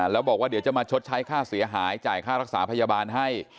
แล้วบอกว่าเดี๋ยวจะมาชดใช้ค่าเสียหายจ่ายค่ารักษาพยาบาลให้